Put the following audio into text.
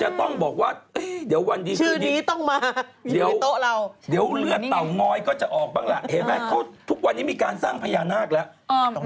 เห็นไหมเขาทุกวันนี้มีการสร้างพญานาคแล้ว